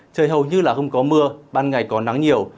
trời hầu như là không có mưa ban ngày có nắng nhiều